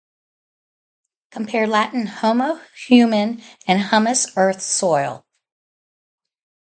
Compare Latin "homo" "human" and "humus" "earth, soil".